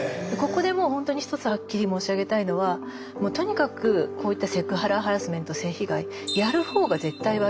ここでもうほんとに１つはっきり申し上げたいのはとにかくこういったセクハラハラスメント性被害やる方が絶対悪い。